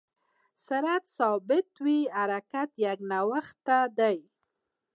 سرعت که ثابت وي، حرکت یکنواخت دی.